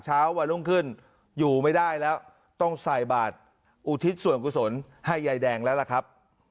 เช้าวันรุ่งขึ้นอยู่ไม่ได้แล้วต้องใส่บาทอุทิศส่วนกุศลให้ยายแดงแล้วล่ะครับ